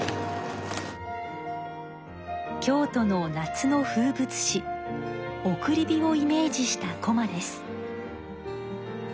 京都の夏の風物詩送り火をイメージしたこまです。